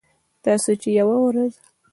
تاسې چې یوه ورځ